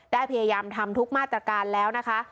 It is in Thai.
ได้พยายามทำทุกมาตรการแล้วนะคะ